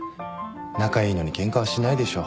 仲いいのにケンカはしないでしょう。